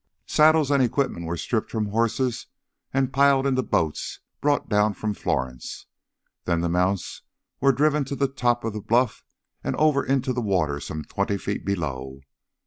Saddles and equipment were stripped from horses and piled into the boats brought down from Florence. Then the mounts were driven to the top of the bluff and over into the water some twenty feet below.